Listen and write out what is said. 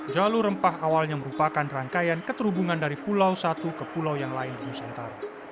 jalur rempah awalnya merupakan rangkaian keterhubungan dari pulau satu ke pulau yang lain di nusantara